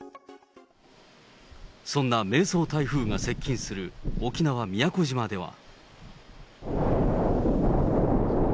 そんな迷走台風が接近する沖縄・宮古島では。